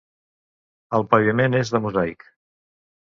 El paviment és de mosaic.